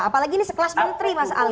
apalagi ini sekelas menteri mas ali